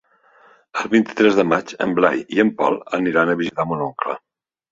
El vint-i-tres de maig en Blai i en Pol aniran a visitar mon oncle.